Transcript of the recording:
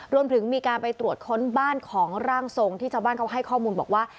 รวมถึงมีการไปตรวจค้นบ้านของร่างทรงที่ชาวบ้านเขาให้ข้อมูลบอกว่า